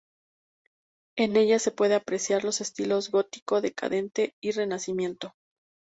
En ella se puede apreciar los estilos gótico decadente y Renacimiento.